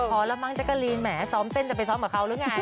พอแล้วมั้งจักรีนแหมซ้อมเต้นจะไปซ้อมกับเขาหรือไง